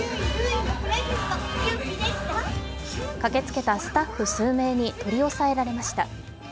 駆けつけたスタッフ数名に取り押さえられました。